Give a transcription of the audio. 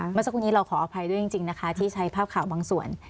เมื่อสักครู่นี้เราขออภัยด้วยจริงนะคะที่ใช้ภาพข่าวบางส่วน